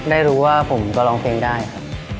ได้รู้ว่าผมก็ร้องเพลงได้ครับ